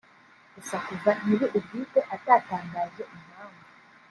gusa kuva nyiri ubwite atatangaje impamvu